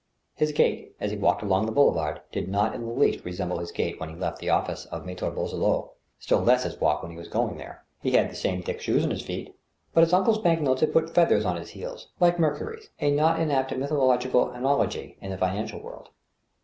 His gait, as he walked along the boulevard, did not in the least resemble his gait when he left the office of Mattre Boisselot, still less his walk when he was going there. 24 THE STEEL HAMMER. He had the same thick shoes on his feet» but his uncle's bank notes had put feathers on his heels, like Mercury's — ^a not inapt mythological analogy in the financial world.